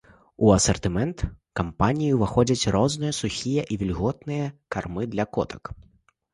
У асартымент кампаніі ўваходзяць розныя сухія і вільготныя кармы для котак.